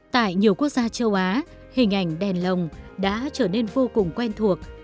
tại nhiều quốc gia châu á hình ảnh đèn lồng đã trở nên vô cùng quen thuộc